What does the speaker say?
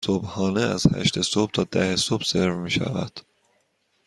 صبحانه از هشت صبح تا ده صبح سرو می شود.